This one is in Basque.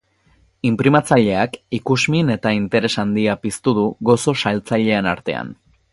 Inprimatzaileak ikusmin eta interes handia piztu du gozo-saltzaileen artean.